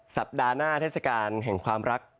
สัปดาห์หน้าเทศกาลแห่งความรัก